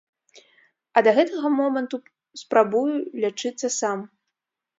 А да гэтага моманту спрабую лячыцца сам.